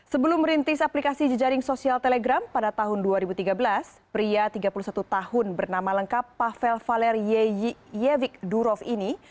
sebelum merintis aplikasi jejaring sosial telegram pada tahun dua ribu tiga belas pria tiga puluh satu tahun bernama lengkap pavel valer yevik durov ini